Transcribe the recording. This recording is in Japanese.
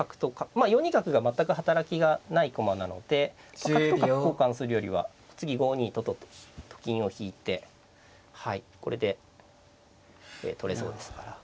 まあ４二角が全く働きがない駒なので角と角交換するよりは次５二ととと金を引いてこれで取れそうですから。